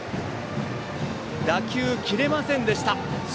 打球が切れませんでした。